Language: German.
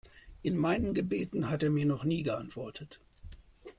In meinen Gebeten hat er mir noch nie geantwortet.